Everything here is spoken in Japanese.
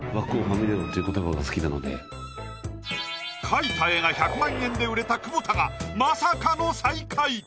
描いた絵が１００万円で売れた久保田がまさかの最下位。